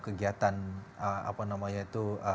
kegiatan apa namanya itu